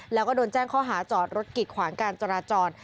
แล้วก็โดนแจ้งข้อหาจอดรถกิดขวางการจราจร